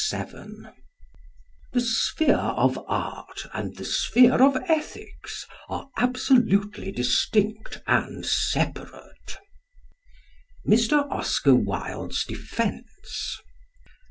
The sphere of art and the sphere of ethics are absolutely distinct and separate. MR. OSCAR WILDE'S DEFENCE.